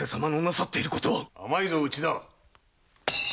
甘いぞ内田！